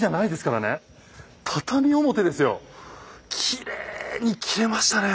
きれいに斬れましたね。